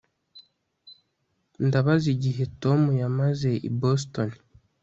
ndabaza igihe tom yamaze i boston